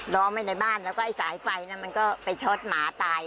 ล้อมไว้ในบ้านแล้วก็ไอ้สายไฟมันก็ไปช็อตหมาตาย